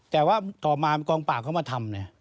แต่ว่าต่อมากองปากเขามาทำ